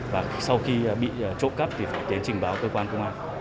và sau khi bị trộm cắp thì phải đến trình báo cơ quan công an